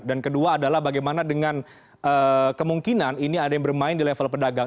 dan kedua adalah bagaimana dengan kemungkinan ini ada yang bermain di level pedagang